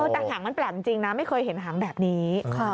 แต่หางมันแปลกจริงนะไม่เคยเห็นหางแบบนี้